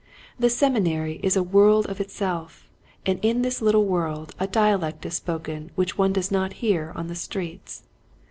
The Seminary is a world of itself, and in this little world a dialect is spoken which one does not hear on the streets.